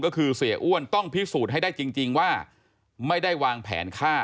ก็คือเสียอ้วนต้องพิสูจน์ให้ได้จริงว่าไม่ได้วางแผนฆ่า